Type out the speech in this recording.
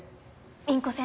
凛子先生